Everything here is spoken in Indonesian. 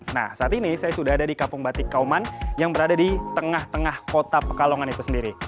nah saat ini saya sudah ada di kampung batik kauman yang berada di tengah tengah kota pekalongan itu sendiri